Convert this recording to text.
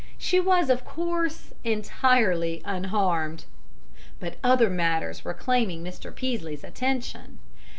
She was, of course, entirely unharmed. But other matters were claiming Mr. Peaslee's attention.